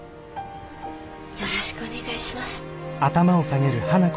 よろしくお願いします。